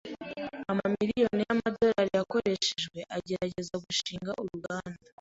Amamiliyoni y amadorari yakoreshejwe agerageza gushinga uruganda.